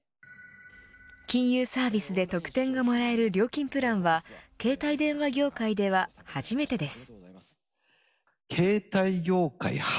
金融サービスで特典がもらえる料金プランは携帯電話業界では初めてです。